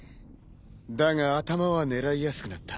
だが頭は狙いやすくなった。